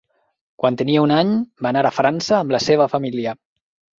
Quan tenia un any, va anar a França amb la seva família.